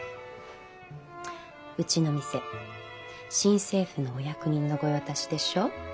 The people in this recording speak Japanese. うちの店新政府のお役人の御用達でしょ？